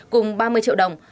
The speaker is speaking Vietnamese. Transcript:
cùng ba mươi triệu đồng